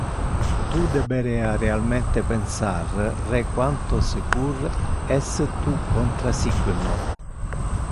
Tu deberea realmente pensar re quanto secur es tu contrasigno.